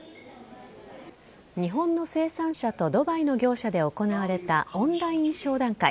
日本の生産者とドバイの業者で行われたオンライン商談会。